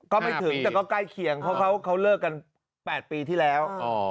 ก็ไม่ถึงแต่ก็ใกล้เคียงเพราะเขาเลิกกัน๘ปีที่แล้ว